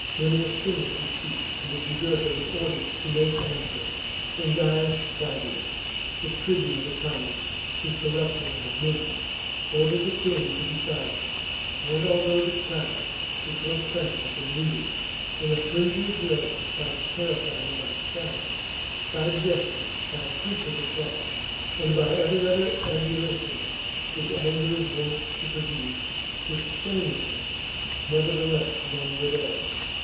Memmius finished his xxxi\. gpgg(,]^^ ^j^^ Jugurtha was ordered to make answer, when Gaius Baebius, the tribune of the commons whose corruption I have mentioned, ordered the king to be silent, and although the crowd which was present at the meeting in a frenzy of rage tried to terrify him by shouts, by gestures, by frequent assaults, and by every other ebullition which anger is wont to produce, his shamelessness, neverthe less, won the day.